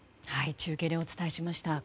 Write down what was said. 中継でお伝えしました。